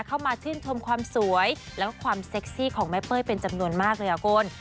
เข้ามาชื่นชมความสวยแล้วก็ความเซ็กซี่ของแม่เป้ยเป็นจำนวนมากเลยอ่ะคุณ